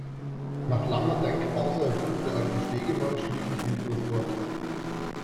Nach langer Denkpause ergriff der alte Stegemann schließlich wieder das Wort.